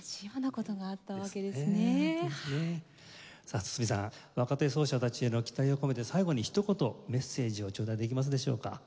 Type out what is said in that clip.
さあ堤さん若手奏者たちへの期待を込めて最後にひと言メッセージをちょうだいできますでしょうか。